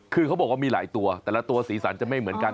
คือเขาบอกว่ามีหลายตัวแต่ละตัวสีสันจะไม่เหมือนกัน